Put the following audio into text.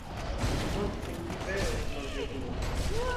Li mortis en rivero en Norvegio.